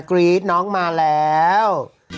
กรี๊ดน้องมาแล้ว